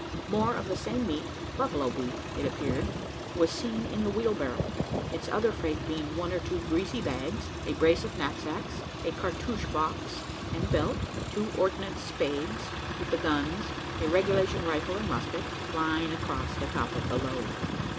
More of the same meat buffalo beef, it appeared was seen in the wheelbarrow; its other freight being one or two greasy bags, a brace of knapsacks, a cartouche box and belt, two ordnance spades, with the guns a "regulation" rifle and musket lying across the top of the load.